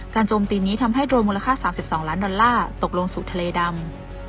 โจมตีนี้ทำให้โรนมูลค่า๓๒ล้านดอลลาร์ตกลงสู่ทะเลดำ